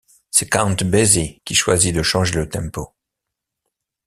C'est Count Basie qui choisit de changer le tempo.